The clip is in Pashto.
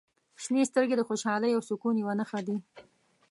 • شنې سترګې د خوشحالۍ او سکون یوه نښه دي.